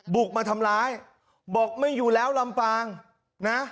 บุกมาทำร้ายบอกไม่อยู่แล้วลำปางนะ